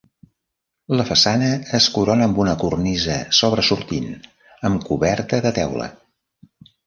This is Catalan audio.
La façana es corona amb una cornisa sobresortint, amb coberta de teula.